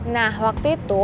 nah waktu itu